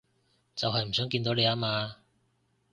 就係唔想見到你吖嘛